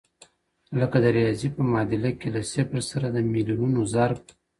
لکه د ریاضي په معادله کې له صفر سره د میلیونونو ضرب